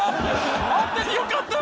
合っててよかった！